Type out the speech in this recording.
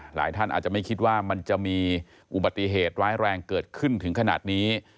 หลายท่านอาจจะไม่คิดว่ามันจะมีอุบัติเหตุร้ายแรงเกิดขึ้นถึงขนาดนี้